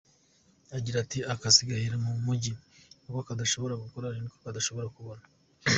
Agira ati “Akazi gahera mu mujyi, ako badashobora gukora ni ko dushobora kubona.